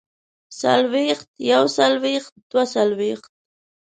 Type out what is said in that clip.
څلوېښت يوڅلوېښت دوه څلوېښت